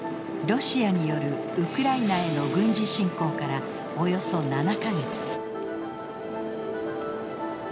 ロシアによるウクライナへの軍事侵攻からおよそ７か月。